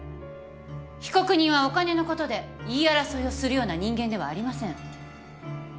被告人はお金のことで言い争いをするような人間ではありません。